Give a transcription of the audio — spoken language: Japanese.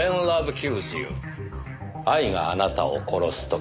「愛があなたを殺す時」